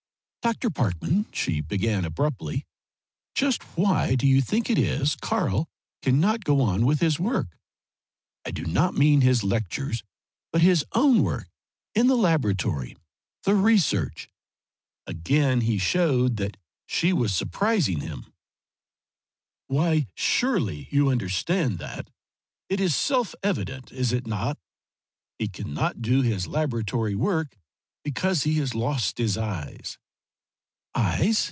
"Dr. Parkman," she began abruptly, "just why do you think it is Karl cannot go on with his work? I do not mean his lectures, but his own work in the laboratory, the research?" Again he showed that she was surprising him. "Why surely you understand that. It is self evident, is it not? He cannot do his laboratory work because he has lost his eyes."